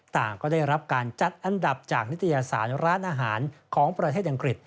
ต่างก็ได้รับการจัดอันดับจากนิตยสารร้านอาหารของประเทศอังกฤษ